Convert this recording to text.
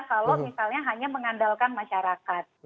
kalau misalnya hanya mengandalkan masyarakat